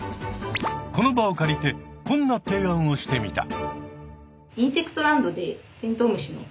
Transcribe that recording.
この場を借りてこんな提案をしてみた。